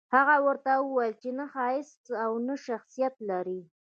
هغه ورته وويل چې نه ښايسته يې او نه شخصيت لرې.